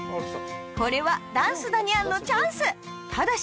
これは「ダンスだニャン」のチャンスただし